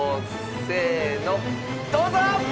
せーのどうぞ！